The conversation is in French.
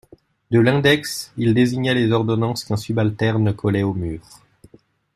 De l'index il désignait les ordonnances qu'un subalterne collait au mur.